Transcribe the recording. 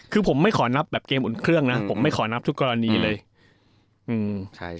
คือผมไม่ขอนับแบบเกมอุ่นเครื่องนะผมไม่ขอนับทุกกรณีเลยอืมใช่